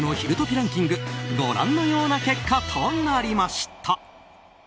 ランキングご覧のような結果となりました。